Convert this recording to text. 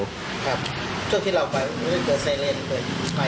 ครับทุกที่เราไปไม่ได้เกิดไซเรนเปิดไฟ